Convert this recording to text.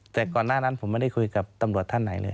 แต่ก่อนหน้านั้นผมไม่ได้คุยกับตำรวจท่านไหนเลย